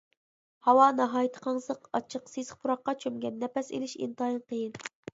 ھاۋا ناھايىتى قاڭسىق، ئاچچىق، سېسىق پۇراققا چۆمگەن، نەپەس ئىلىش ئىنتايىن قىيىن.